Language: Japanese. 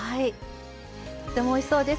とってもおいしそうです。